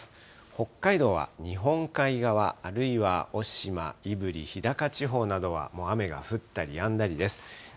北海道は日本海側、あるいはおしま、胆振、日高地方などは、もう雨が降ったりやんだりです。